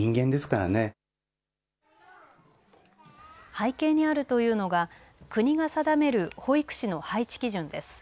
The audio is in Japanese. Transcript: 背景にあるというのが国が定める保育士の配置基準です。